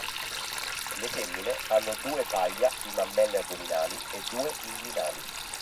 Le femmine hanno due paia di mammelle addominali e due inguinali.